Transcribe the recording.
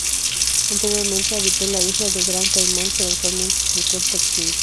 Anteriormente habitó en la isla de Gran Caimán, pero actualmente se encuentra extinto.